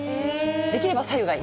できればさゆがいい。